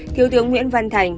thiếu tướng nguyễn văn thành